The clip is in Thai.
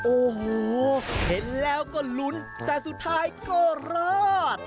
โอ้โหเห็นแล้วก็ลุ้นแต่สุดท้ายก็รอด